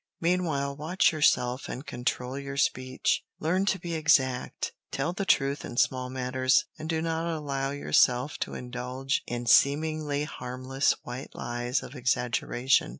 Meanwhile watch yourself and control your speech. Learn to be exact. Tell the truth in small matters, and do not allow yourself to indulge in seemingly harmless white lies of exaggeration.